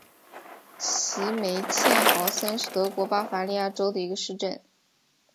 齐梅茨豪森是德国巴伐利亚州的一个市镇。